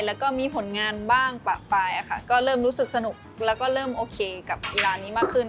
แล้วก็มีผลงานบ้างปะปลายค่ะก็เริ่มรู้สึกสนุกแล้วก็เริ่มโอเคกับกีฬานี้มากขึ้น